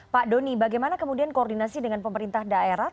pak doni bagaimana kemudian koordinasi dengan pemerintah daerah